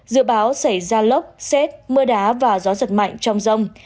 dự báo xảy ra lốc xét mưa đá và gió giật mạnh trong rông